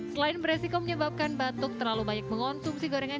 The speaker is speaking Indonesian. selain beresiko menyebabkan batuk terlalu banyak mengonsumsi gorengan